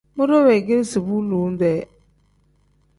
Muure weegeresi bu lowu-dee.